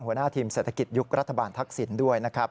หัวหน้าทีมเศรษฐกิจยุครัฐบาลทักษิณด้วยนะครับ